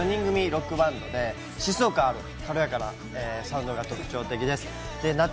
ロックバンドで疾走感ある軽やかなサウンドが特徴的です。